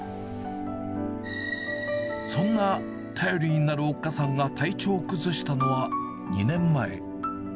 そんな頼りになるおっかさんが体調を崩したのは２年前。